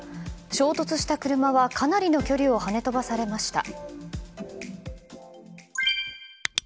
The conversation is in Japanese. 衝突した車は、かなりの距離を跳ね飛ばされました。